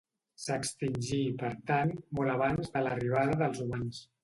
S'extingí, per tant, molt abans de l'arribada dels humans.